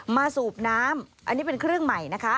สูบน้ำอันนี้เป็นเครื่องใหม่นะคะ